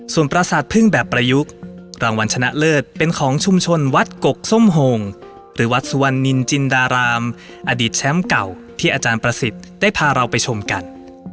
ส่วนประสาทพึ่งแบบประยุกต์รางวัลชนะเลิศเป็นของชุมชนวัดกกส้มโหงหรือวัดสุวรรณนินจินดารามอดีตแชมป์เก่าที่อาจารย์ประสิทธิ์ได้พาเราไปชมกัน